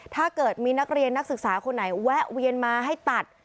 ถ้าเกิดมีนักเรียนนักศึกษาคนไหนแวะเวียนมาให้ตัด